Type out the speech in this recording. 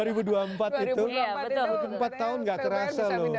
dua ribu dua puluh empat itu katanya pembaian bisa bina